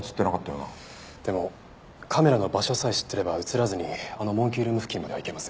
でもカメラの場所さえ知ってれば映らずにあのモンキールーム付近までは行けます。